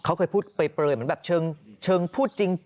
เขาเคยพูดเปลยเหมือนแบบเชิงพูดจริง